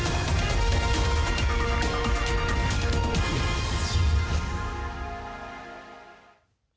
โปรดติดตาม